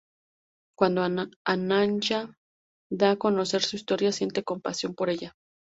Cuando Anya da a conocer su historia, sienten compasión por ella.